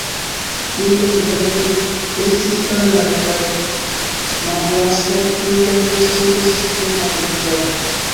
Iliaj vizaĝoj estis palaj kaj malgrasaj, iliaj vestoj estis tre malriĉaj.